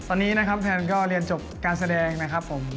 ตอนนี้นะครับแพนก็เรียนจบการแสดงนะครับผม